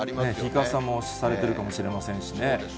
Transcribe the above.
日傘もされてるかもしれませんしね。